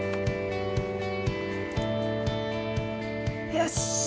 よし！